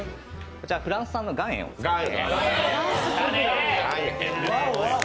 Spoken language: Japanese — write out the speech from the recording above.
こちらフランス産の岩塩を使って。